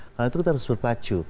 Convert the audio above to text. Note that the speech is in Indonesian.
karena itu kita harus berpacu